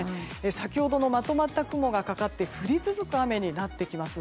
先ほどのまとまった雲がかかって降り続く雨になってきます。